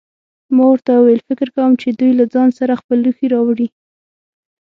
ما ورته وویل: فکر کوم چې دوی له ځان سره خپل لوښي راوړي.